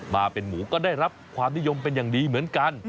มาเป็นหมูก็ได้รับความนิยมเป็นอย่างดีเหมือนกัน